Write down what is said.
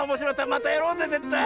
またやろうぜぜったい！